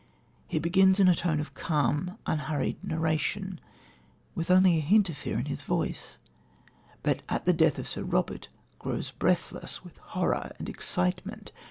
He begins in a tone of calm, unhurried narration, with only a hint of fear in his voice, but, at the death of Sir Robert, grows breathless with horror and excitement.